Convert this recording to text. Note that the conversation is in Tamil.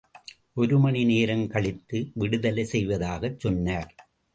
ஒரு மணி நேரம் கழித்து விடுதலை செய்வதாகச் சொன்னார்.